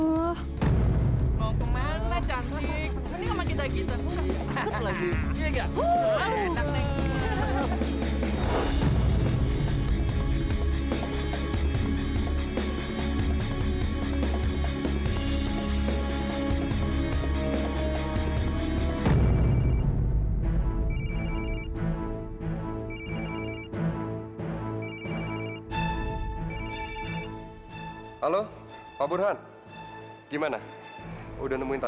sampai jumpa di video selanjutnya